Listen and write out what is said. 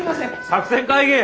作戦会議！